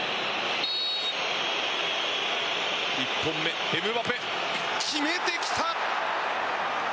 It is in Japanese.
１本目、エムバペ決めてきた！